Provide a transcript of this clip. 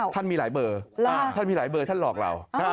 ท่านมีหลายเบอร์ท่านมีหลายเบอร์ท่านหลอกเรา